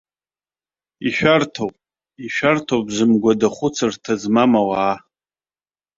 Ишәарҭоуп, ишәарҭоуп зымгәада хәыцырҭа змам ауаа.